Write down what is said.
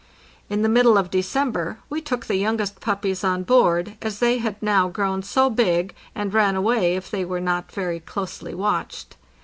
In the middle of December we took the youngest puppies on board, as they had now grown so big, and ran away if they were not very closely watched.